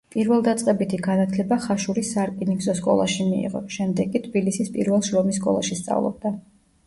პირველდაწყებითი განათლება ხაშურის სარკინიგზო სკოლაში მიიღო, შემდეგ კი თბილისის პირველ შრომის სკოლაში სწავლობდა.